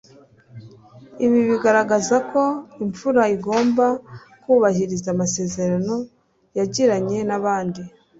ibi bigaragaza ko imfura igomba kubahiriza amasezerano yagiranye n'abandi